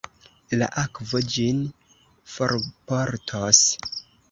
La akvo ĝin forportos.